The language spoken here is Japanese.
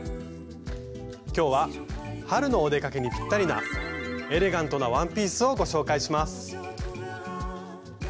今日は春のお出かけにぴったりなエレガントなワンピースをご紹介します。